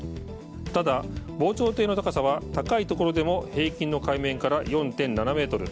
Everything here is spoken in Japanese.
ただ、防潮堤の高さは高いところでも平均の海面から４．７ｍ。